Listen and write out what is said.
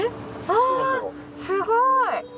あすごい！